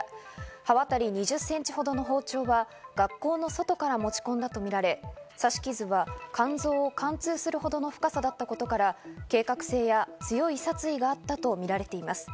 刃渡り２０ｃｍほどの包丁は学校の外から持ち込んだと見られ、刺し傷は肝臓を貫通するほどの深さだったことから、計画性や強い殺意があったとみられています。